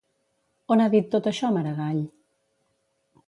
On ha dit tot això Maragall?